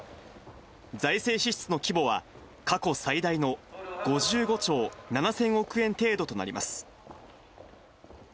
財政支出の規模は、過去最大の５５兆７０００億円程度となります。